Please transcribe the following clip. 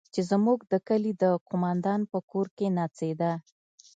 چې زموږ د کلي د قومندان په کور کښې نڅېده.